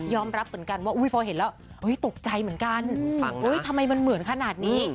รับเหมือนกันว่าพอเห็นแล้วตกใจเหมือนกันทำไมมันเหมือนขนาดนี้